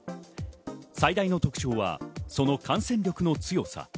最大の特徴はその感染力の強さ。